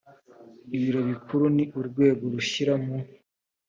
ibiro bikuru ni urwego rushyira mu